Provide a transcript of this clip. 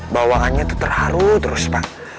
bawaannya itu terharu terus pak